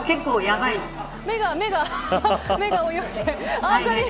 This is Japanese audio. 目が泳いでる。